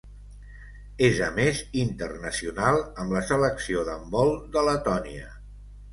És a més internacional amb la Selecció d'handbol de Letònia.